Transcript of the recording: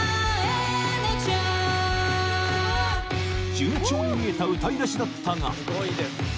順調に見えた歌い出しだったが